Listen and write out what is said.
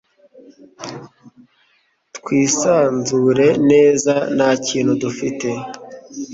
twisanzure neza ntakintu dufite